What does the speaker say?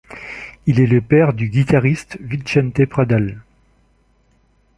Il est le père du guitariste Vicente Pradal.